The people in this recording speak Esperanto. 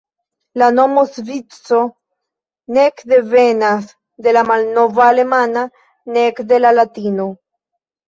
La nomo Ŝvico nek devenas de la malnova alemana, nek de la latino.